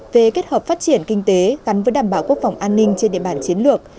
về kết hợp phát triển kinh tế gắn với đảm bảo quốc phòng an ninh trên địa bàn chiến lược